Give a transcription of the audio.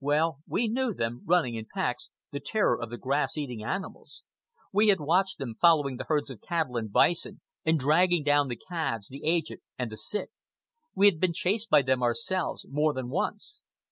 Well we knew them, running in packs, the terror of the grass eating animals. We had watched them following the herds of cattle and bison and dragging down the calves, the aged, and the sick. We had been chased by them ourselves, more than once.